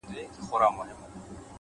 هوښیار انسان له تېرو درس اخلي؛